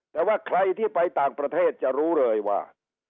แต่ว่าใครที่ไปต่างประเทศจะรู้เลยว่า